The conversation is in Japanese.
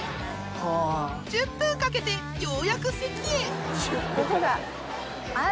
１０分かけてようやく席へここだ。